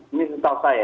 ini sesal saya